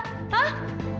ini semua apa hah